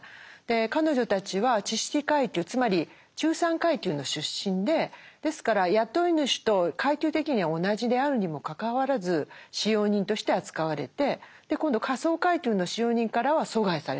彼女たちは知識階級つまり中産階級の出身でですから雇い主と階級的には同じであるにもかかわらず使用人として扱われて今度下層階級の使用人からは疎外されてしまう。